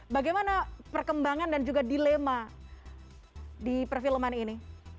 bagaimana perkembangan dan juga dilema di perfilman ini